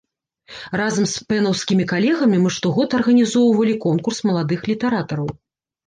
Разам з пэнаўскімі калегамі мы штогод арганізоўвалі конкурс маладых літаратараў.